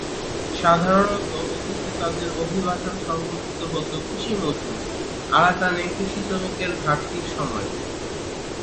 সাধারণত অতীতে তাদের অভিবাসন সংঘটিত হতো কৃষি মৌসুমে, আরাকানে কৃষি শ্রমিকের ঘাটতির সময়ে।